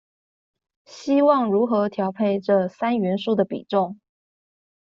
希望如何調配這三元素的比重